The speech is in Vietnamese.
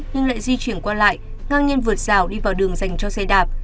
nhưng lại di chuyển qua lại ngang nhiên vượt rào đi vào đường dành cho xe đạp